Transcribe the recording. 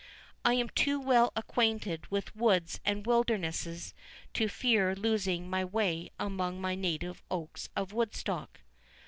I am too well acquainted with woods and wildernesses to fear losing my way among my native oaks of Woodstock."